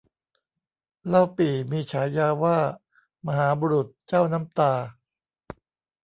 เล่าปี่มีฉายาว่ามหาบุรุษเจ้าน้ำตา